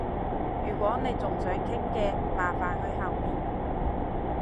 如果你仲想傾嘅，麻煩去後面